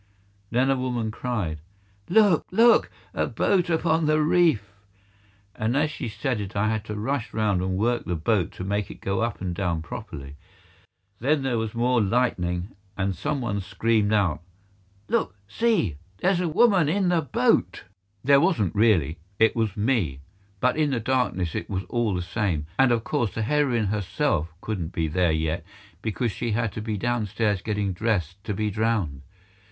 Then a woman cried, "Look! Look! a boat upon the reef!" And as she said it I had to rush round and work the boat to make it go up and down properly. Then there was more lightning, and some one screamed out, "Look! See! there's a woman in the boat!" There wasn't really; it was me; but in the darkness it was all the same, and of course the heroine herself couldn't be there yet because she had to be downstairs getting dressed to be drowned.